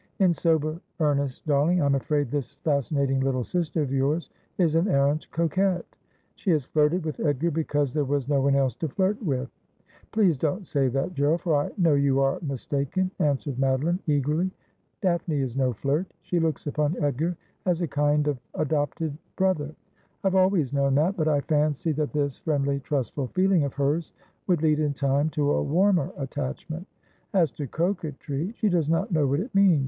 ' In sober earnest, darling, I'm afraid this fascinating little sister of yours is an arrant coquette. She has flirted with Edgar because there was no one else to flirt with.' 'Please don't say that, Gerald, for I know you are mis taken,' answered Madoline eagerly. 'Daphne is no flirt. She looks upon Edgar as a kind of adopted brother. I have always known that, but I fancied that this friendly trustful feeling of hers would lead in time to a warmer attachment. As to coquetry, she does not know what it means.